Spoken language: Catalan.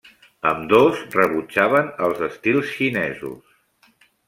Ambdós rebutjaven els estils xinesos.